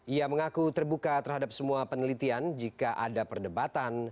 ia mengaku terbuka terhadap semua penelitian jika ada perdebatan